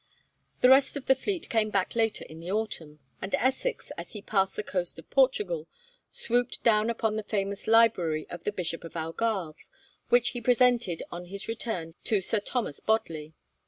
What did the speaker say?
The rest of the fleet came back later in the autumn, and Essex, as he passed the coast of Portugal, swooped down upon the famous library of the Bishop of Algarve, which he presented on his return to Sir Thomas Bodley.